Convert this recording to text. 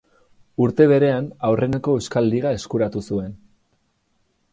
Urte berean aurreneko Euskal Liga eskuratu zuen.